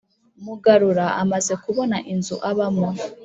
mugarura amaze kubona inzu abamo,